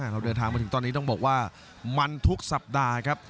เราเดินทางมาถึงตอนนี้ต้องบอกว่ามันทุกสัปดาห์ครับ